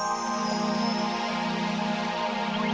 mereka sudah hidup selama lima tahun